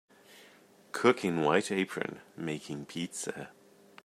Cook in white apron making pizza.